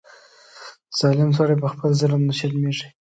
ظالم سړی په خپل ظلم نه شرمېږي.